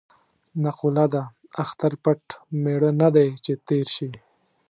نقوله ده: اختر پټ مېړه نه دی چې تېر شي.